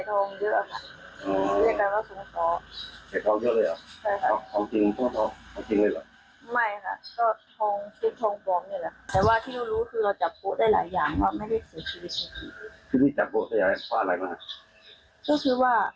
กับทุมนี่แหละค่ะ